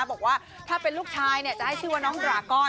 บอกว่าถ้าเป็นลูกชายจะให้ชื่อว่าน้องดรากร